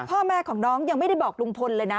พ่อแม่ของน้องยังไม่ได้บอกลุงพลเลยนะ